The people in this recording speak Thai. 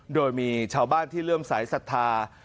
โดยมีชาวบ้านที่เริ่มสายศรัทธา